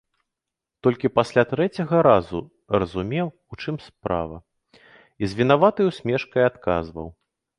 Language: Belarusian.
Толькі пасля трэцяга разу разумеў, у чым справа, і з вінаватай усмешкай адказваў.